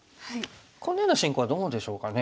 こんなような進行はどうでしょうかね。